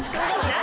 何？